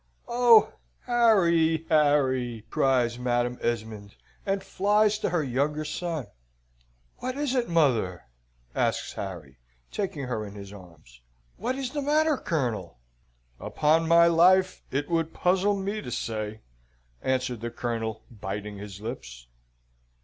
"Oh, Harry, Harry!" cries Madam Esmond, and flies to her younger son. "What is it, mother?" asks Harry, taking her in his arms. "What is the matter, Colonel?" "Upon my life, it would puzzle me to say," answered the Colonel, biting his lips.